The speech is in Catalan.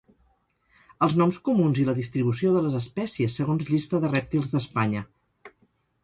Els noms comuns i la distribució de les espècies segons Llista de rèptils d'Espanya.